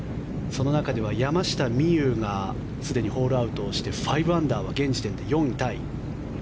その中では山下美夢有がすでにホールアウトをして５アンダーは現在で４位タイ。